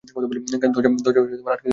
দরজাটা আটকে গেছে।